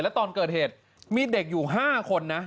แล้วตอนเกิดเหตุมีเด็กอยู่๕คนนะ